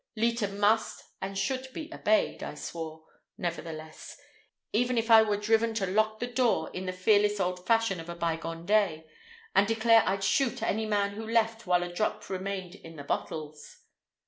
Leta must and should be obeyed, I swore, nevertheless, even if I were driven to lock the door in the fearless old fashion of a bygone day, and declare I'd shoot any man who left while a drop remained in the bottles.